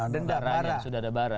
dendarah yang sudah ada barang